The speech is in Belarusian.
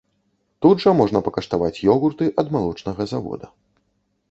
Тут жа можна пакаштаваць ёгурты ад малочнага завода.